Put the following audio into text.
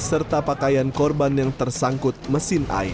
serta pakaian korban yang tersangkut mesin air